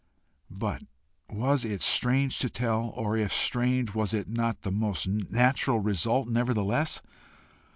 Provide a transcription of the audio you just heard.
But was it strange to tell? or if strange, was it not the most natural result nevertheless?